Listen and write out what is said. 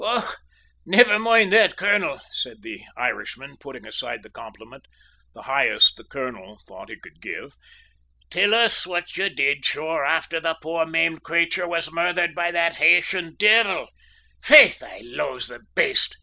"Och, niver moind that, colonel," said the Irishman, putting aside the compliment, the highest the colonel thought he could give. "Till us what you did, sure, afther the poor maimed crayture was murthered by that Haytian divvle. Faith, I loathe the baste.